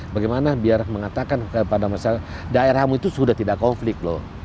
bagaimana biar mengatakan kepada masyarakat daerahmu itu sudah tidak konflik loh